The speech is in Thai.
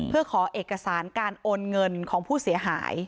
เพื่อขอเอกสารการโอนเงินของผู้เสียหาย